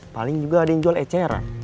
paling juga ada yang jual eceran